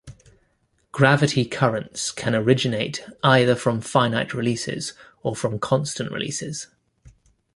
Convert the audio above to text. Gravity currents can originate either from finite releases or from constant releases.